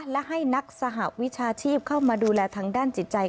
และให้นักสหวิชาชีพเข้ามาดูแลทางด้านจิตใจ